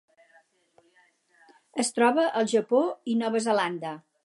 Es troba al Japó i Nova Zelanda.